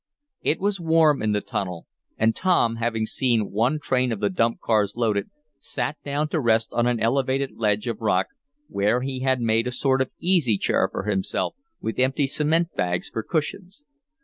It was warm in the tunnel, and Tom, having seen one train of the dump cars loaded, sat down to rest on an elevated ledge of rock, where he had made a sort of easy chair for himself, with empty cement bags for cushions.